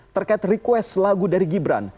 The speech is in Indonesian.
terkait request lagu dari gibran